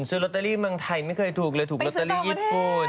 ซื้อลอตเตอรี่เมืองไทยไม่เคยถูกเลยถูกลอตเตอรี่ญี่ปุ่น